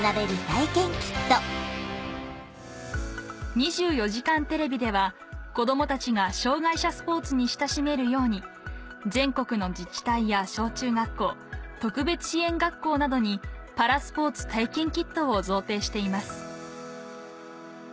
『２４時間テレビ』では子どもたちが障害者スポーツに親しめるように全国の自治体や小・中学校特別支援学校などにパラスポーツ体験キットを贈呈しています